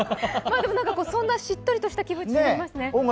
そんなしっとりした気持ちになりますね。